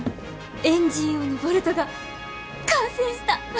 エンジン用のボルトが完成した！